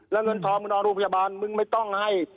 แล้วเงินทองมึงนอนโรงพยาบาลมึงไม่ต้องให้